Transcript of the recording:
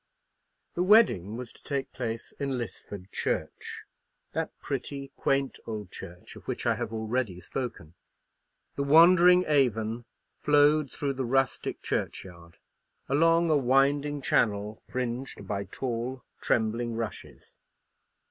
The wedding was to take place in Lisford church—that pretty, quaint, old church of which I have already spoken. The wandering Avon flowed through this rustic churchyard, along a winding channel fringed by tall, trembling rushes.